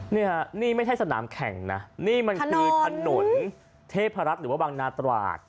นี่ฮะนี่ไม่ใช่สนามแข่งนะนี่มันคือถนนเทพรัฐหรือว่าบังนาตราด